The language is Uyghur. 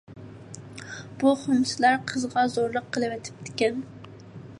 بۇ خۇمسىلار قىزغا زورلۇق قىلىۋېتىپتىكەن.